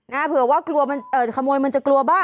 เผื่อว่ากลัวมันเอ่อขโมยมันจะกลัวบ้าง